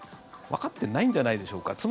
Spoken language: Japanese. わかってないんじゃないでしょうか。